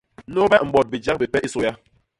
Nôbe mbot bijek bipe i sôya!